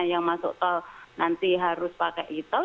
yang masuk tol nanti harus pakai e tol